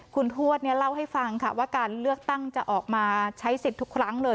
คุณทวดเล่าให้ฟังค่ะว่าการเลือกตั้งจะออกมาใช้สิทธิ์ทุกครั้งเลย